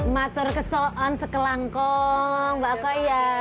matur kesoan sekelangkong mbak koya